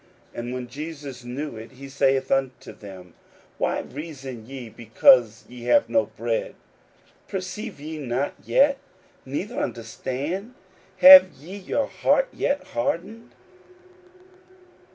41:008:017 And when Jesus knew it, he saith unto them, Why reason ye, because ye have no bread? perceive ye not yet, neither understand? have ye your heart yet hardened?